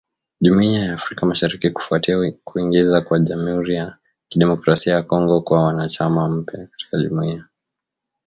Jumuiya ya Afrika Mashariki Kufuatia kuingiza kwa Jamhuri ya Kidemokrasi ya Kongo kuwa mwanachama mpya katika jumuiya hiyo